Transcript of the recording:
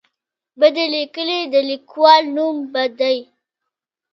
بدې لیکنې د لیکوال نوم بدوي.